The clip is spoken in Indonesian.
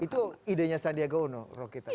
itu idenya sandiaga uno rocky tadi